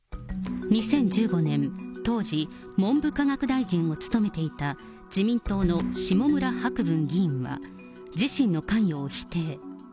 ２０１５年、当時、文部科学大臣を務めていた自民党の下村博文議員は自身の関与を否定。